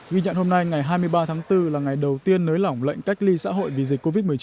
ghi nhận hôm nay ngày hai mươi ba tháng bốn là ngày đầu tiên nới lỏng lệnh cách ly xã hội vì dịch covid một mươi chín